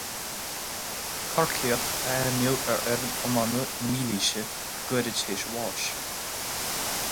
Corcaíoch a ainmníodh ar fhoireann iomána na mílaoise go gairid tar éis a bháis.